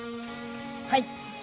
はい。